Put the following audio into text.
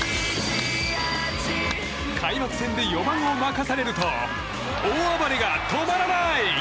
開幕戦で４番を任されると大暴れが止まらない！